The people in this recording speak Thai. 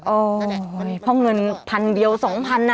โอ้เพราะเงินพันเดียว๒๐๐๐อะ